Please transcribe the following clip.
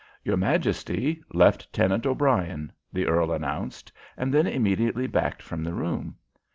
"Your Majesty, Leftenant O'Brien!" the earl announced, and then immediately backed from the room.